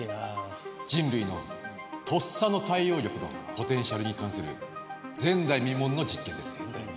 人類のとっさの対応力のポテンシャルに関する前代未聞の実験です。